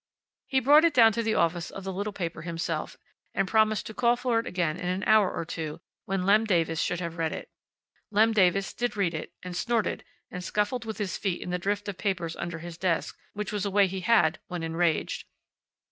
He brought it down to the office of the little paper himself, and promised to call for it again in an hour or two, when Lem Davis should have read it. Lem Davis did read it, and snorted, and scuffled with his feet in the drift of papers under his desk, which was a way he had when enraged.